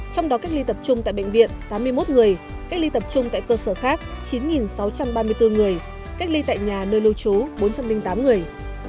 trong đó cách ly tập trung tại bệnh viện tám mươi một người cách ly tập trung tại cơ sở khác chín sáu trăm ba mươi bốn người cách ly tại nhà nơi lưu trú bốn trăm linh tám người